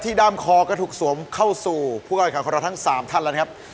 ด้ามคอก็ถูกสวมเข้าสู่ผู้การของเราทั้ง๓ท่านแล้วนะครับ